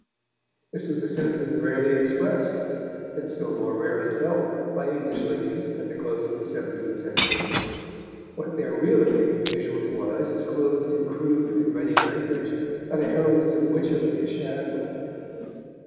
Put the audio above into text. This was a sentiment rarely expressed and still more rarely felt by English ladies at the close of the seventeenth century. What their real opinion usually was is clothed in crude and ready language by the heroines of Wycherley and Shadwell.